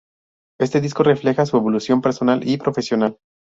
Este disco refleja su evolución personal y profesional.